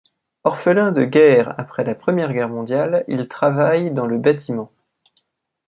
Orphelin de guerre après la Première Guerre mondiale, il travaille dans le bâtiment.